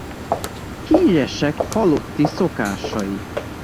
Híresek halotti szokásai.